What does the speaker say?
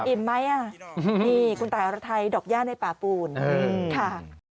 ไหมอ่ะนี่คุณตายอรไทยดอกย่าในป่าปูนค่ะ